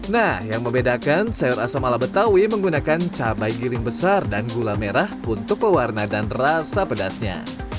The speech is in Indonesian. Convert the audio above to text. nah yang membedakan sayur asam ala betawi menggunakan cabai giring besar dan gula merah untuk pewarna dan rasa pedasnya